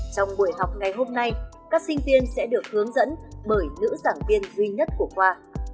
trong buổi học ngày hôm nay các sinh viên sẽ được hướng dẫn bởi nữ giảng viên duy nhất của khoa